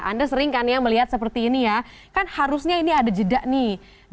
anda sering kan ya melihat seperti ini ya kan harusnya ini ada jeda nih